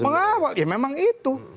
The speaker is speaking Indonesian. mengawal ya memang itu